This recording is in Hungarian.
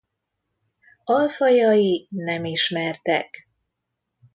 Alfajai nem ismertek.